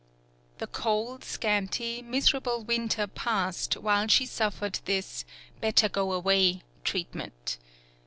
The cold, scanty, miserable winter passed while she suffered this "better go away" treatment.